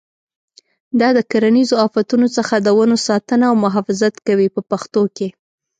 دا د کرنیزو آفتونو څخه د ونو ساتنه او محافظت کوي په پښتو کې.